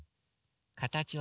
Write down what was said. かたちはね